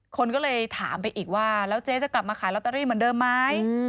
คนก็เลยถามไปอีกว่าแล้วเจ๊จะกลับมาขายลอตเตอรี่เหมือนเดิมไหม